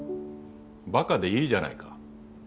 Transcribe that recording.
バカでいいじゃないか。